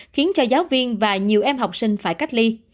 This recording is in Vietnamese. khiến cho giáo viên và nhiều em học sinh phải cách ly